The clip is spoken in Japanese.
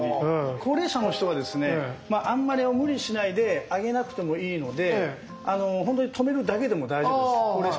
高齢者の人はあんまり無理しないで上げなくてもいいので止めるだけでも大丈夫です。